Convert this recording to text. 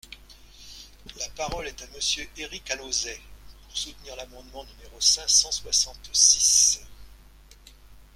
La parole est à Monsieur Éric Alauzet, pour soutenir l’amendement numéro cinq cent soixante-six.